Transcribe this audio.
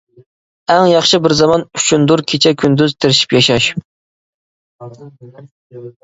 ئەڭ ياخشى بىر زامان ئۈچۈندۇر كېچە-كۈندۈز تىرىشىپ ياشاش.